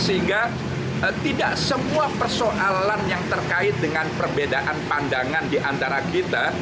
sehingga tidak semua persoalan yang terkait dengan perbedaan pandangan diantara kita